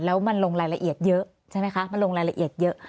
แล้วมันลงรายละเอียดเยอะใช่ไหมคะมันลงรายละเอียดเยอะ